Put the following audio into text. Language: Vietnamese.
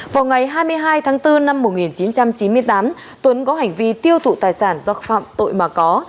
vào ngày hai mươi hai tháng bốn năm một nghìn chín trăm chín mươi tám tuấn có hành vi tiêu thụ tài sản do phạm tội mà có